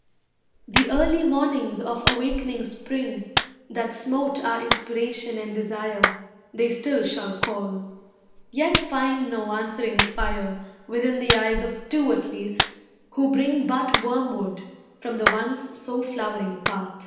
The early mornings of awakening Spring That smote our inspiration and desire They still shall call, yet find no answering fire Within the eyes of two at least, who bring But wormwood, from the once so flowering path.